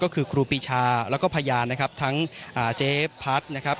ก็คือครูปีชาแล้วก็พยานนะครับทั้งเจ๊พัดนะครับ